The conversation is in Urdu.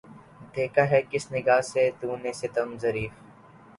دیکھا ہے کس نگاہ سے تو نے ستم ظریف